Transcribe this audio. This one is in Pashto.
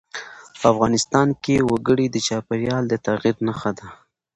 افغانستان کې وګړي د چاپېریال د تغیر نښه ده.